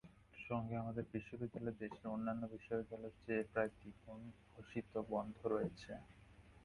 সঙ্গে আমাদের বিশ্ববিদ্যালয়ে দেশের অন্যান্য বিশ্ববিদ্যালয়ের চেয়ে প্রায় দ্বিগুণ ঘোষিত বন্ধ রয়েছে।